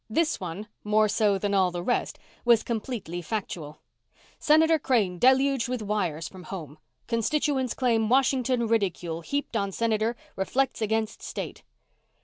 This one, more so than all the rest, was completely factual: SENATOR CRANE DELUGED WITH WIRES FROM HOME CONSTITUENTS CLAIM WASHINGTON RIDICULE HEAPED ON SENATOR REFLECTS AGAINST STATE.